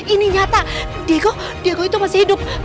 ini nyata diego diego itu masih hidup